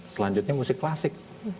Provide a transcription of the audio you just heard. selanjutnya musik klasik